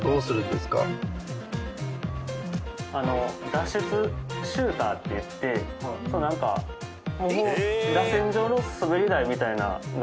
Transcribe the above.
脱出シューターっていってなんからせん状の滑り台みたいなんがあるんですよ。